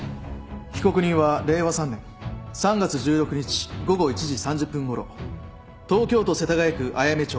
被告人は令和３年３月１６日午後１時３０分ごろ東京都世田谷区あやめ町